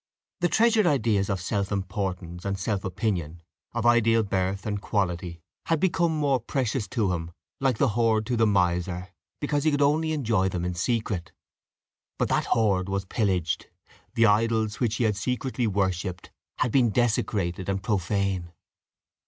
The treasured ideas of self importance and self opinion of ideal birth and quality, had become more precious to him, like the hoard to the miser, because he could only enjoy them in secret. But that hoard was pillaged; the idols which he had secretly worshipped had been desecrated and profane.